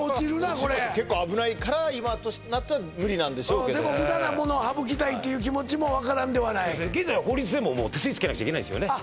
これ結構危ないから今となっては無理なんでしょうけどでも無駄なものを省きたいという気持ちも分からんではない現在は法律でももう手すり付けなくちゃいけないんですよね